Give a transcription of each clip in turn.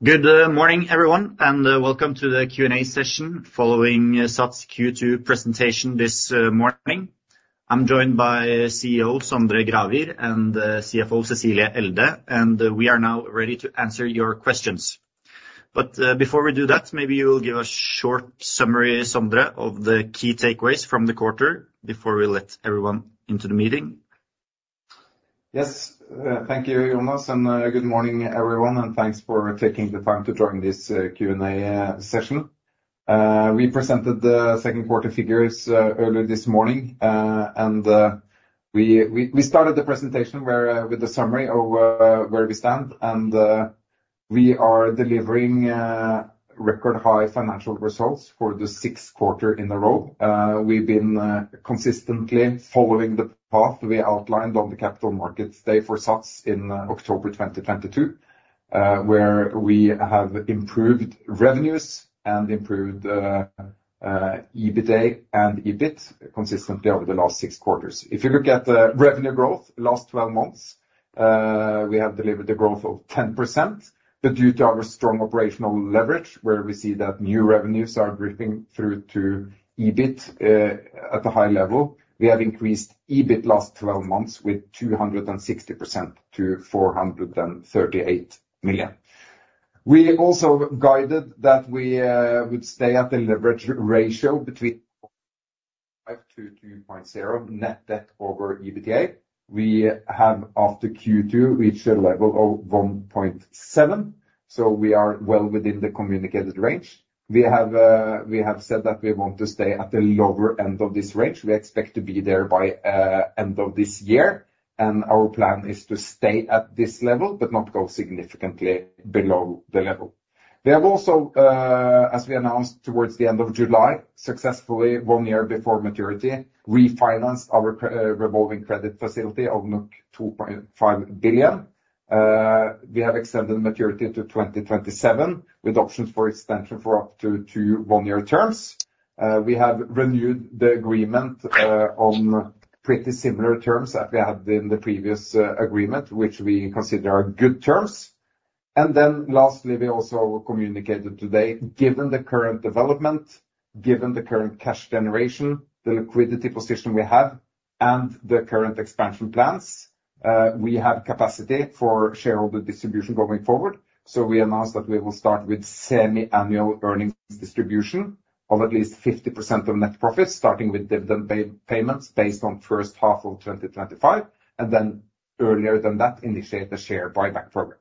Good morning, everyone, and welcome to the Q&A session following SATS Q2 presentation this morning. I'm joined by CEO Sondre Gravir and CFO Cecilie Elde, and we are now ready to answer your questions. But before we do that, maybe you will give a short summary, Sondre, of the key takeaways from the quarter before we let everyone into the meeting. Yes. Thank you, Jonas, and good morning, everyone, and thanks for taking the time to join this Q&A session. We presented the Q2 figures earlier this morning, and we started the presentation with a summary of where we stand, and we are delivering record-high financial results for the sixth quarter in a row. We've been consistently following the path we outlined on the Capital Markets Day for SATS in October 2022, where we have improved revenues and improved EBITDA and EBIT consistently over the last six quarters. If you look at the revenue growth last 12 months, we have delivered a growth of 10%. But due to our strong operational leverage, where we see that new revenues are dripping through to EBIT at a high level, we have increased EBIT last twelve months with 260% to 438 million. We also guided that we would stay at the leverage ratio between 5.0-2.0 net debt over EBITDA. We have, after Q2, reached a level of 1.7, so we are well within the communicated range. We have, we have said that we want to stay at the lower end of this range. We expect to be there by end of this year, and our plan is to stay at this level, but not go significantly below the level. We have also, as we announced towards the end of July, successfully, one year before maturity, refinance our revolving credit facility of 2.5 billion. We have extended maturity to 2027, with options for extension for up to two one-year terms. We have renewed the agreement on pretty similar terms that we had in the previous agreement, which we consider are good terms. And then lastly, we also communicated today, given the current development, given the current cash generation, the liquidity position we have, and the current expansion plans, we have capacity for shareholder distribution going forward. So we announced that we will start with semi-annual earnings distribution of at least 50% of net profits, starting with dividend payments based on H1 of 2025, and then earlier than that, initiate the share buyback program.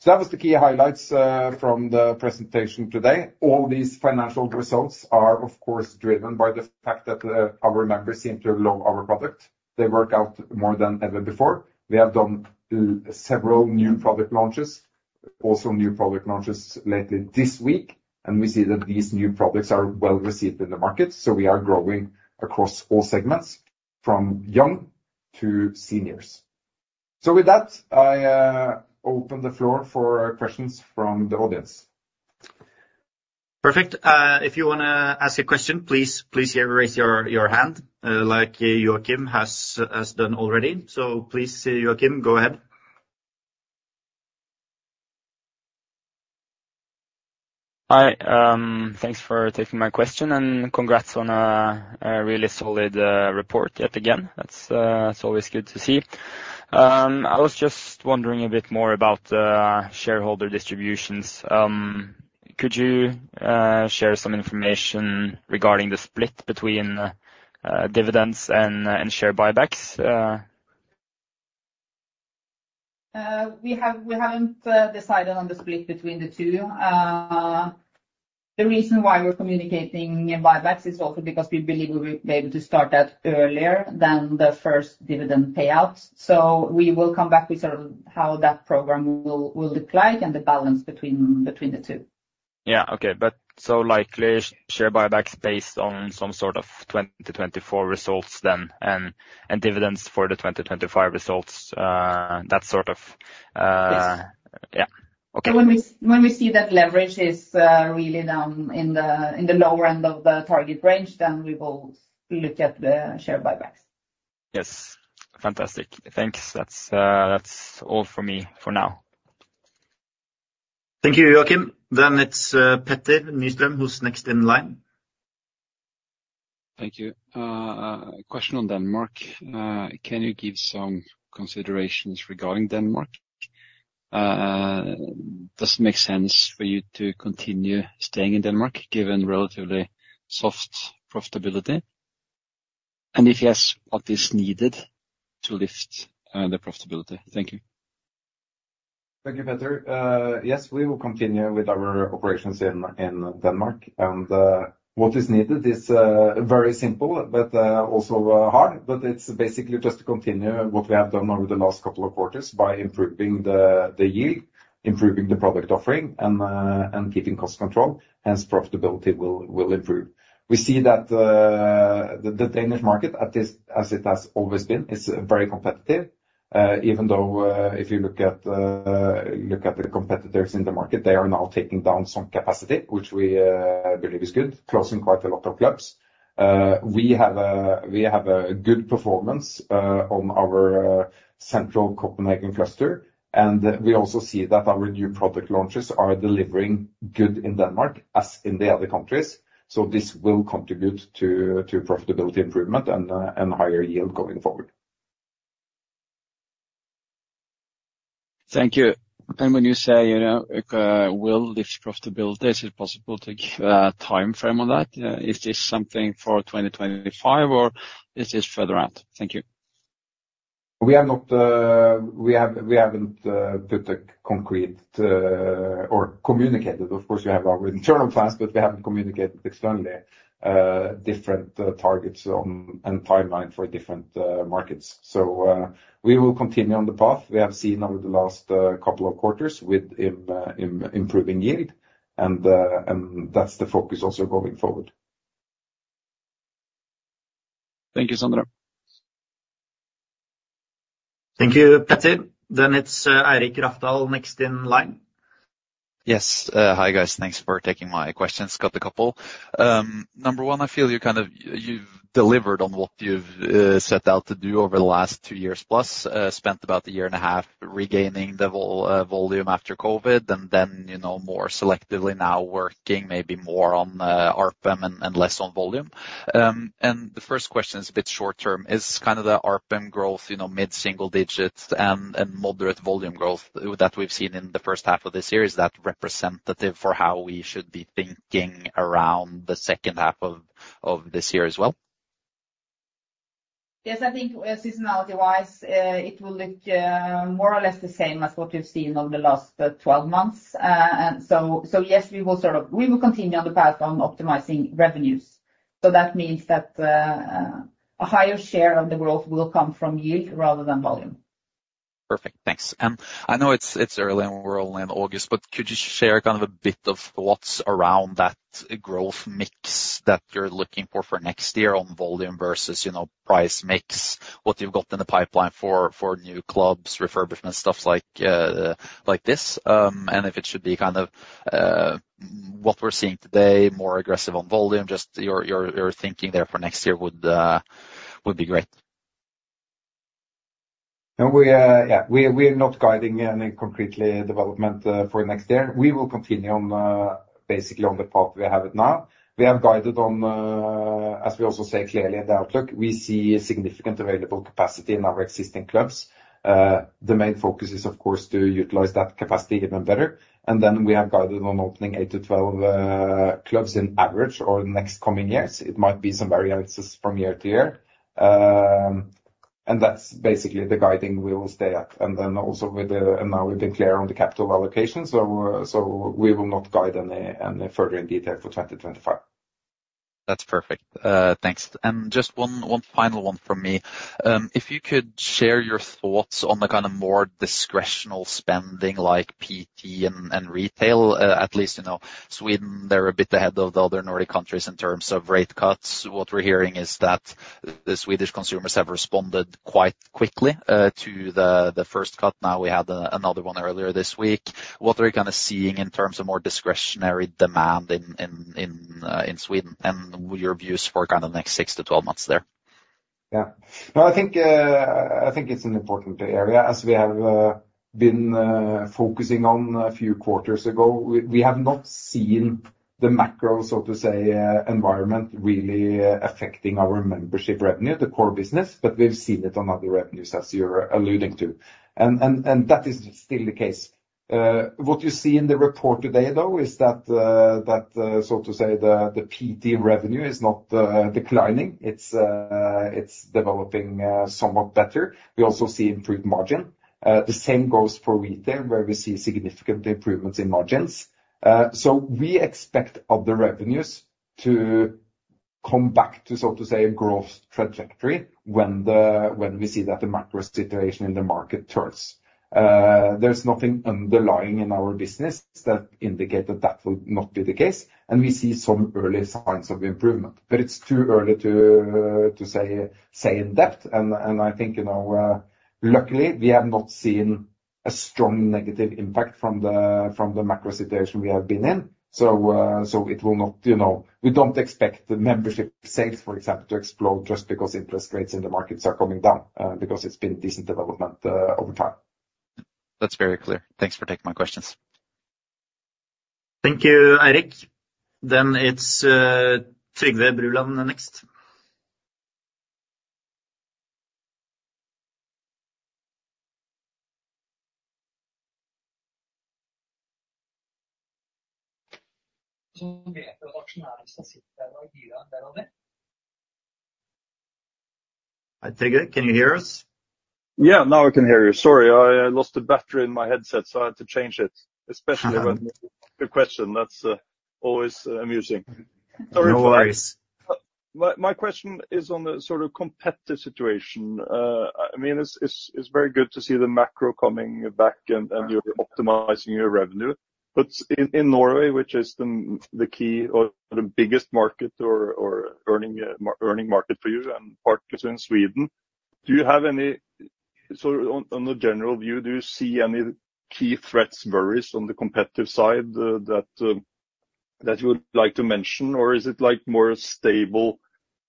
So that was the key highlights from the presentation today. All these financial results are, of course, driven by the fact that our members seem to love our product. They work out more than ever before. We have done several new product launches, also new product launches later this week, and we see that these new products are well received in the market, so we are growing across all segments, from young to seniors. So with that, I open the floor for questions from the audience. Perfect. If you wanna ask a question, please raise your hand, like Joakim has done already. So please, Joakim, go ahead. Hi, thanks for taking my question, and congrats on a really solid report, yet again. That's, it's always good to see. I was just wondering a bit more about the shareholder distributions. Could you share some information regarding the split between dividends and share buybacks? We haven't decided on the split between the two. The reason why we're communicating buybacks is also because we believe we will be able to start that earlier than the first dividend payout. So we will come back with how that program will look like and the balance between the two. But so likely, share buybacks based on some 2020 to 2024 results then, and dividends for the 2025 results. Yes. Okay. When we see that leverage is really down in the lower end of the target range, then we will look at the share buybacks. Yes. Fantastic. Thanks. That's all for me for now. Thank you, Joakim. Then it's Petter Nyström, who's next in line. Thank you. Question on Denmark. Can you give some considerations regarding Denmark? Does it make sense for you to continue staying in Denmark, given relatively soft profitability? And if yes, what is needed to lift the profitability? Thank you. Thank you, Petter. Yes, we will continue with our operations in Denmark, and what is needed is very simple, but also hard, but it's basically just to continue what we have done over the last couple of quarters by improving the yield, improving the product offering and keeping cost control, hence profitability will improve. We see that the Danish market, at least as it has always been, is very competitive. Even though, if you look at the competitors in the market, they are now taking down some capacity, which we believe is good, closing quite a lot of clubs. We have a good performance on our central Copenhagen cluster, and we also see that our new product launches are delivering good in Denmark, as in the other countries. So this will contribute to profitability improvement and higher yield going forward. Thank you. And when you say, you know, will lift profitability, is it possible to give a timeframe on that? Is this something for 2025, or is this further out? Thank you. We haven't put a concrete or communicated. Of course, we have our internal plans, but we haven't communicated externally different targets and timeline for different markets. So, we will continue on the path we have seen over the last couple of quarters with improving yield, and that's the focus also going forward. Thank you, Sondre. Thank you, Petter. Then it's Eirik Rafdal next in line. Yes. Hi, guys. Thanks for taking my questions. Got a couple. Number one, I feel you you've delivered on what you've set out to do over the last two years plus. Spent about a year and a half regaining the volume after COVID, and then, you know, more selectively now working maybe more on ARPM and less on volume. And the first question is a bit short term. Is the ARPM growth, you know, mid-single digits, and moderate volume growth that we've seen in the H1 of this year, is that representative for how we should be thinking around the H2 of this year as well? Yes, I think seasonality-wise, it will look more or less the same as what we've seen over the last twelve months, and so yes, we will continue on the path on optimizing revenues, so that means that a higher share of the growth will come from yield rather than volume. Perfect, thanks. And I know it's early and we're only in August, but could you share a bit of thoughts around that growth mix that you're looking for for next year on volume versus, you know, price mix, what you've got in the pipeline for new clubs, refurbishment, stuff like, like this? And if it should be what we're seeing today, more aggressive on volume, just your thinking there for next year would be great. No, we are not guiding any complete development for next year. We will continue on basically on the path we have now. We have guided on, as we also say clearly in the outlook, we see a significant available capacity in our existing clubs. The main focus is, of course, to utilize that capacity even better. And then we have guided on opening eight to twelve clubs on average over the next coming years. It might be some variances from year to year. And that's basically the guidance we will stay at. And now we've been clear on the capital allocation, so we will not guide any further in detail for twenty twenty-five. That's perfect. Thanks. And just one final one from me. If you could share your thoughts on the more discretionary spending, like PT and retail, at least, you know, Sweden, they're a bit ahead of the other Nordic countries in terms of rate cuts. What we're hearing is that the Swedish consumers have responded quite quickly to the first cut. Now, we had another one earlier this week. What are we seeing in terms of more discretionary demand in Sweden, and your views for he next six to 12 months there? No, it's an important area, as we have been focusing on a few quarters ago. We, we have not seen the macro, so to say, environment really affecting our membership revenue, the core business, but we've seen it on other revenues, as you're alluding to. And that is still the case. What you see in the report today, though, is that, that, so to say, the, the PT revenue is not declining. It's, it's developing, somewhat better. We also see improved margin. The same goes for retail, where we see significant improvements in margins. So we expect other revenues to come back to, so to say, growth trajectory when we see that the macro situation in the market turns. There's nothing underlying in our business that indicate that that will not be the case, and we see some early signs of improvement, but it's too early to say in-depth. I think, you know, luckily, we have not seen a strong negative impact from the macro situation we have been in. So it will not, you know, we don't expect the membership sales, for example, to explode just because interest rates in the markets are coming down, because it's been a decent development over time. That's very clear. Thanks for taking my questions. Thank you, Eirik. Then it's Trygve Bruland next. So we have action items that sit there and give you an idea of it. I take it. Can you hear us? Now I can hear you. Sorry, I lost the battery in my headset, so I had to change it, especially when the question, that's always amusing. Sorry for that. No worries. My question is on the competitive situation. I mean, it's very good to see the macro coming back and you're optimizing your revenue. But in Norway, which is the key or the biggest market or earning market for you, and partly so in Sweden, do you have any? So on the general view, do you see any key threats, worries on the competitive side, that you would like to mention? Or is it, like, more stable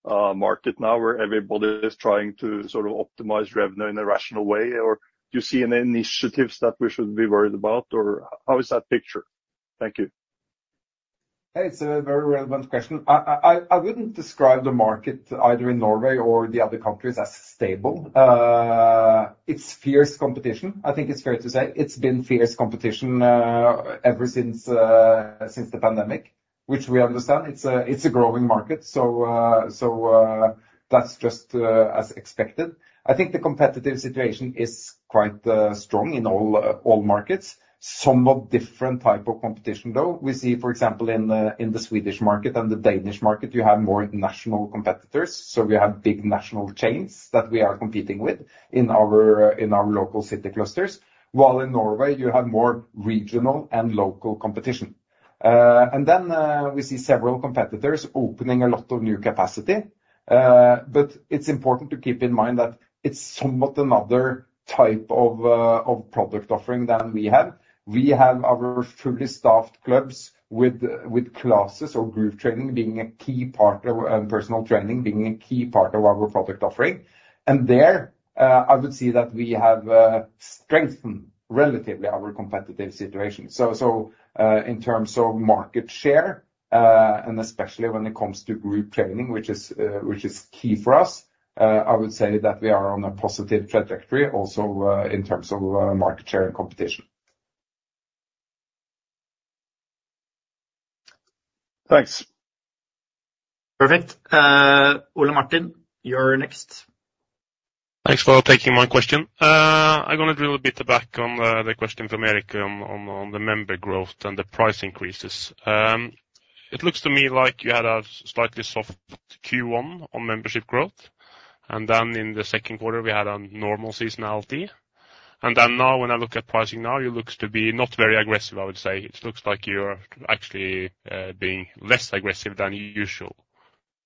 market now, where everybody is trying to optimize revenue in a rational way? Or do you see any initiatives that we should be worried about, or how is that picture? Thank you. It's a very relevant question. I wouldn't describe the market, either in Norway or the other countries, as stable. It's fierce competition, I think it's fair to say. It's been fierce competition ever since the pandemic, which we understand. It's a growing market, so that's just as expected. I think the competitive situation is quite strong in all markets. Some of different type of competition, though. We see, for example, in the Swedish market and the Danish market, you have more national competitors. So we have big national chains that we are competing with in our local city clusters, while in Norway, you have more regional and local competition. And then we see several competitors opening a lot of new capacity. But it's important to keep in mind that it's somewhat another type of product offering than we have. We have our fully staffed clubs with classes or group training being a key part of, and personal training being a key part of our product offering. And there, I would say that we have strengthened relatively our competitive situation. So, in terms of market share, and especially when it comes to group training, which is key for us, I would say that we are on a positive trajectory also, in terms of market share and competition. Thanks. Perfect. Ole Martin, you're next. Thanks for taking my question. I'm gonna drill a bit back on the question from Eirik on the member growth and the price increases. It looks to me like you had a slightly soft Q1 on membership growth, and then in the Q2, we had a normal seasonality. And then now, when I look at pricing now, it looks to be not very aggressive, I would say. It looks like you're actually being less aggressive than usual.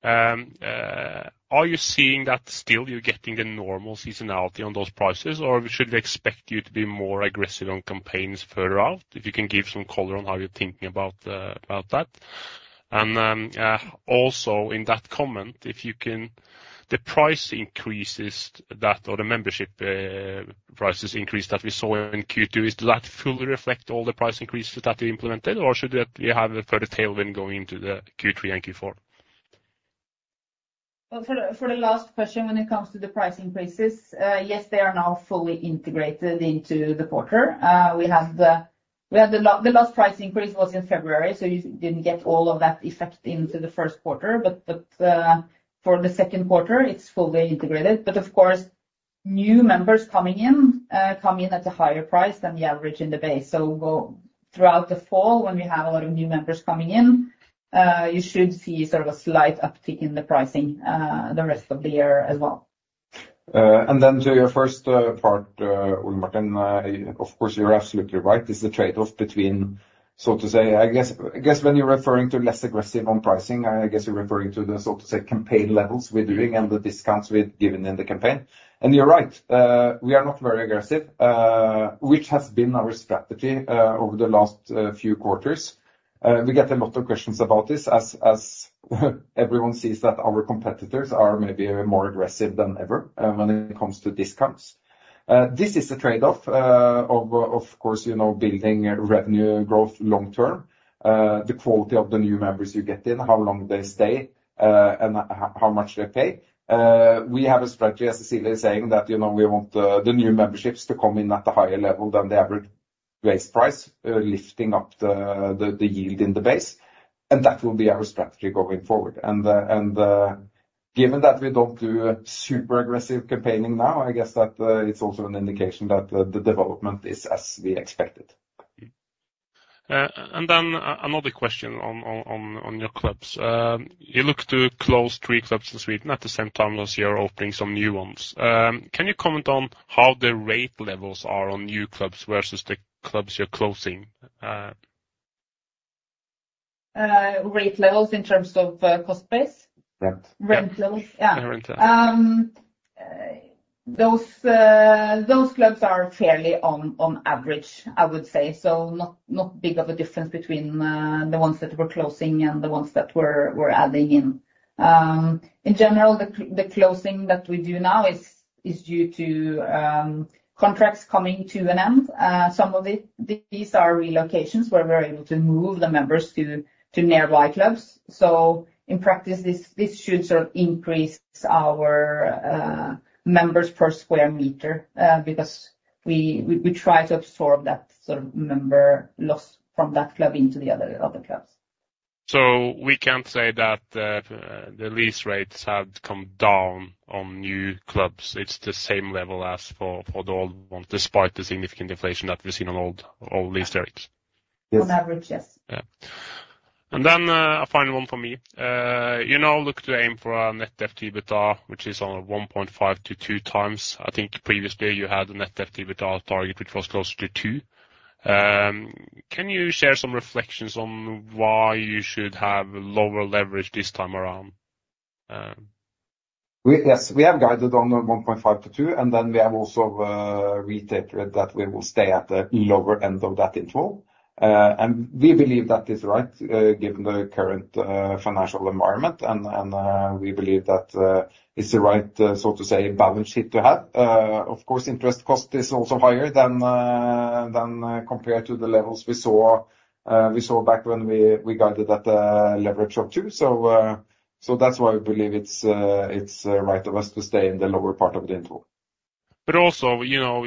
Are you seeing that still, you're getting a normal seasonality on those prices, or should we expect you to be more aggressive on campaigns further out? If you can give some color on how you're thinking about that. And then also in that comment, if you can... The price increases that we saw in Q2, does that fully reflect all the price increases that you implemented, or should we have a further tailwind going into the Q3 and Q4? For the last question, when it comes to the price increases, yes, they are now fully integrated into the quarter. We had the last price increase was in February, so you didn't get all of that effect into the Q1, but for the Q2, it's fully integrated. But of course, new members coming in come in at a higher price than the average in the base. So throughout the fall, when we have a lot of new members coming in, you should see a slight uptick in the pricing the rest of the year as well. And then to your first part, Ole Martin, of course, you're absolutely right. This is a trade-off between, so to say, I guess when you're referring to less aggressive on pricing, I guess you're referring to the, so to say, campaign levels we're doing and the discounts we've given in the campaign. And you're right, we are not very aggressive, which has been our strategy over the last few quarters. We get a lot of questions about this as everyone sees that our competitors are maybe more aggressive than ever when it comes to discounts. This is a trade-off, of course, you know, building revenue growth long term, the quality of the new members you get in, how long they stay, and how much they pay. We have a strategy, as Cecilie is saying, that you know we want the new memberships to come in at a higher level than the average base price, lifting up the yield in the base, and that will be our strategy going forward. And given that we don't do super aggressive campaigning now, I guess that it's also an indication that the development is as we expected. Another question on your clubs. You look to close three clubs in Sweden at the same time as you're opening some new ones. Can you comment on how the rate levels are on new clubs versus the clubs you're closing? Rate levels in terms of cost base? Right. Rent levels? The rent. Those clubs are fairly on average, I would say. So not big of a difference between the ones that we're closing and the ones that we're adding in. In general, the closing that we do now is due to contracts coming to an end. Some of it, these are relocations, where we're able to move the members to nearby clubs. So in practice, this should increase our members per square meter because we try to absorb that member loss from that club into the other clubs. So we can't say that the lease rates have come down on new clubs. It's the same level as for the old ones, despite the significant deflation that we've seen on old lease rates? On average, yes. And then, a final one for me. You now look to aim for a net debt EBITDA, which is on a 1.5-2 times. I think previously you had a net debt EBITDA target, which was closer to 2. Can you share some reflections on why you should have lower leverage this time around? Yes, we have guided on the 1.5-2, and then we have also reiterated that we will stay at the lower end of that interval. And we believe that is right, given the current financial environment, and we believe that it's the right, so to say, balance sheet to have. Of course, interest cost is also higher than, compared to the levels we saw back when we guided at a leverage of 2. So that's why we believe it's right of us to stay in the lower part of the interval. But also, you know,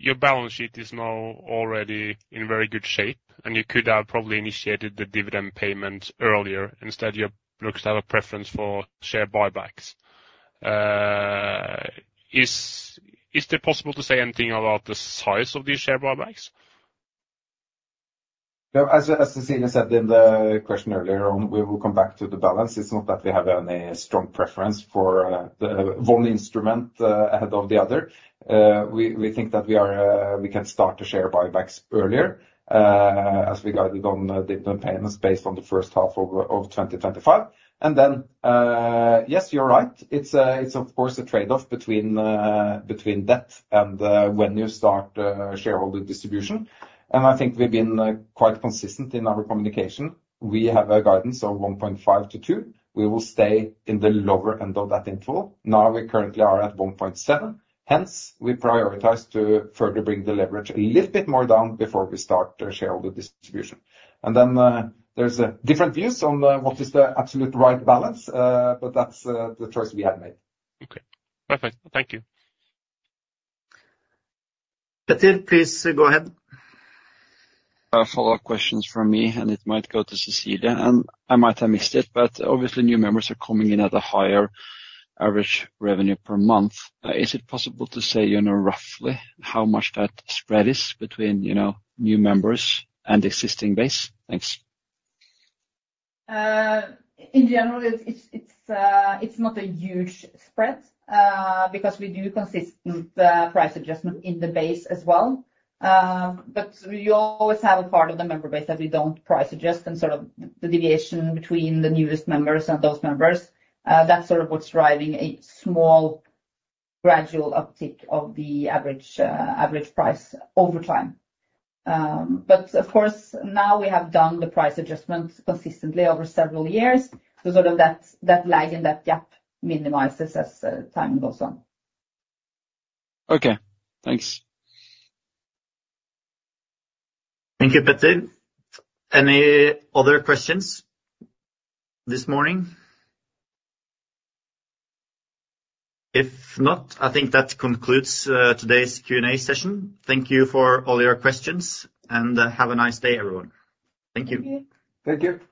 your balance sheet is now already in very good shape, and you could have probably initiated the dividend payment earlier. Instead, you looks to have a preference for share buybacks. Is it possible to say anything about the size of these share buybacks? No, as Cecilie said in the question earlier on, we will come back to the balance. It's not that we have any strong preference for the one instrument ahead of the other. We think that we can start the share buybacks earlier, as we guided on dividend payments based on the H1 of twenty twenty-five. Then, yes, you're right. It's of course a trade-off between debt and when you start shareholder distribution. I think we've been quite consistent in our communication. We have a guidance of 1.5-2. We will stay in the lower end of that interval. Now, we currently are at 1.7, hence we prioritize to further bring the leverage a little bit more down before we start the shareholder distribution. And then, there's different views on what is the absolute right balance, but that's the choice we have made. Okay, perfect. Thank you. Petter, please go ahead. A follow-up questions from me, and it might go to Cecilie. I might have missed it, but obviously, new members are coming in at a higher average revenue per month. Is it possible to say, you know, roughly how much that spread is between, you know, new members and existing base? Thanks. In general, it's not a huge spread because we do consistent price adjustment in the base as well, but we always have a part of the member base that we don't price adjust, and the deviation between the newest members and those members, that's what's driving a small, gradual uptick of the average price over time, but of course, now we have done the price adjustment consistently over several years, so that lag and that gap minimizes as time goes on. Okay, thanks. Thank you, Petter. Any other questions this morning? If not, I think that concludes today's Q&A session. Thank you for all your questions, and have a nice day, everyone. Thank you. Thank you. Thank you.